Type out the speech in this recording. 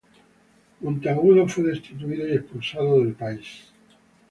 Monteagudo fue destituido y expulsado del país.